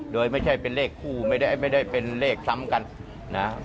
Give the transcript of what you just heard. โดยไม่ใช่เป็นเลขคู่ไม่ได้เป็นเลขซ้ำกันนะ